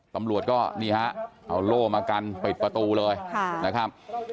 ตำรวจก็นี่ฮะเอาโล่มากันปิดประตูเลยนะครับ